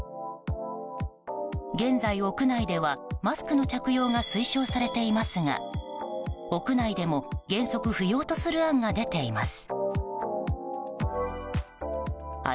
現在、屋内ではマスクの着用が推奨されていますが屋内でも原則不要とする案が出ています。